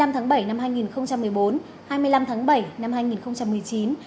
hai mươi tháng bảy năm hai nghìn một mươi bốn hai mươi năm tháng bảy năm hai nghìn một mươi chín